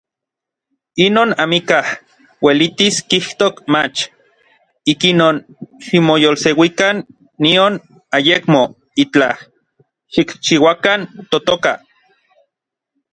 Inon amikaj uelitis kijtos mach. Ikinon ximoyolseuikan nion ayekmo itlaj xikchiuakan totoka.